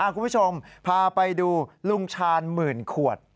คุณผู้ชมพาไปดูลุงชาญหมื่นขวด